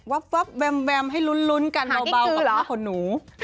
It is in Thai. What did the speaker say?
วับวับแวมให้ลุ้นกันโมเบากับผู้หนู